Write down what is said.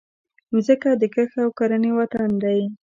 مځکه د کښت او کرنې وطن دی.